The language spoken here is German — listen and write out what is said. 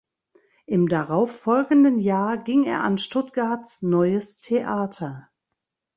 Im darauf folgenden Jahr ging er an Stuttgarts Neues Theater.